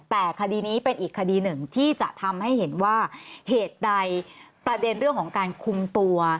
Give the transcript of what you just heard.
แต่คดีนี้เป็นอีกคดีหนึ่งที่จะทำให้เห็นว่าเหตุใดประเด็นเรื่องของการคุมตัว